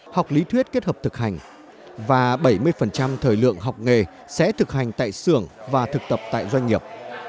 học lý thuyết kết hợp thực hành và bảy mươi thời lượng học nghề sẽ thực hành tại xưởng và thực tập tại doanh nghiệp